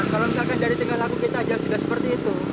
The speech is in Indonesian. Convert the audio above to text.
kalau misalkan dari tingkat laku kita aja sudah seperti itu